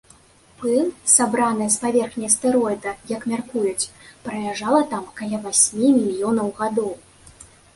Пыл, сабраная з паверхні астэроіда, як мяркуюць, праляжала там каля васьмі мільёнаў гадоў.